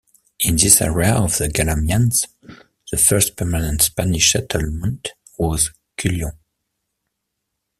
In this area of the Calamianes, the first permanent Spanish settlement was Culion.